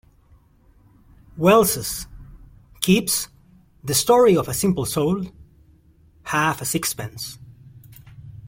Wells's "Kipps: The Story of a Simple Soul", "Half a Sixpence".